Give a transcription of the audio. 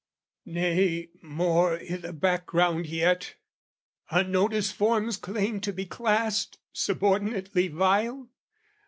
Nay, more i' the background, yet? Unnoticed forms Claim to be classed, subordinately vile?